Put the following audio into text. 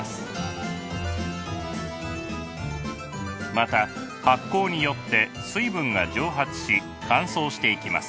また発酵によって水分が蒸発し乾燥していきます。